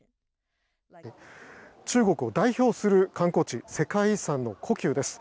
中国を代表する観光地世界遺産の故宮です。